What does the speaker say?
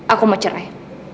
aku mau cerai